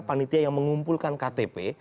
panitia yang mengumpulkan ktp